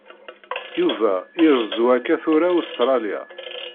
Yuba irezzu akka tura Ustṛalya.